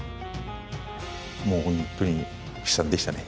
もうほんとに悲惨でしたね。